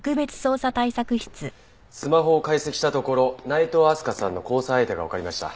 スマホを解析したところ内藤明日香さんの交際相手がわかりました。